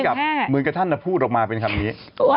เหมือนกับท่านพูดออกมาเป็นคำนี้